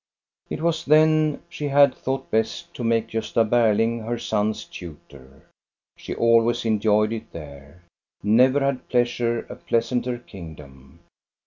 It was then she had thought best to make Gosta Ber ling her son's tutor. She always enjoyed it there. Never had Pleasure a pleasanter kingdom.